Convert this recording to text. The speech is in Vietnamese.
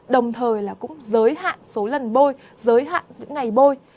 đồng thời là cũng giới hạn số lần bôi giới hạn giữa ngày bôi